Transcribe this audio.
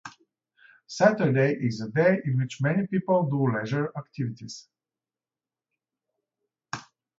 Saturday is a day in which many people do leisure activities.